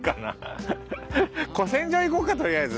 古戦場行こうかとりあえず。